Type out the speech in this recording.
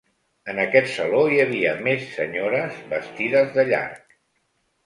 En aquest saló hi havia més senyores, vestides de llarg.